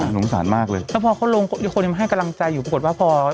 หงษารมากเลยแล้วพอเขาคนนียมให้กำลังใจอยู่ประกอบว่าพอ